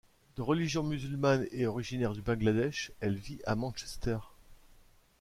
De religion musulmane et originaire du Bangladesh, elle vit à Manchester.